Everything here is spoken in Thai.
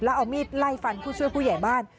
แล้วเอามีดไล่ฟันผู้ช่วยผู้ใหญ่บ้าน